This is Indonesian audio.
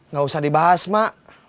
gak usah dibahas mak